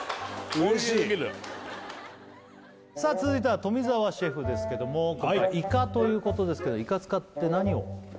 おいしすぎるさあ続いては富澤シェフですけどもはいイカということですけどイカ使って何を？